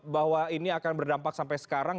bahwa ini akan berdampak sampai sekarang